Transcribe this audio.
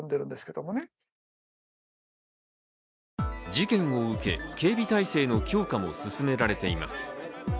事件を受け、警備態勢の強化も進められています。